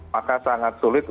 maka sangat sulit untuk dihitung